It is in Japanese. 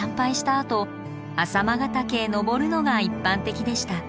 あと朝熊ヶ岳へ登るのが一般的でした。